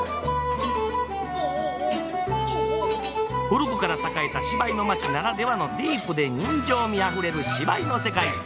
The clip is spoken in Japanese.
古くから栄えた芝居の街ならではのディープで人情味あふれる芝居の世界。